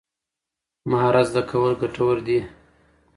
مهارت زده کول ګټور دي.